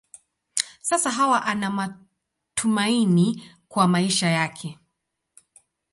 Sasa Hawa ana matumaini kwa maisha yake.